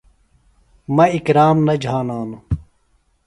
مہ اکرم نہ جھانانوۡ۔